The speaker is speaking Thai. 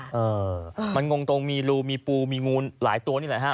เออมันงงตรงมีรูมีปูมีงูหลายตัวนี่แหละฮะ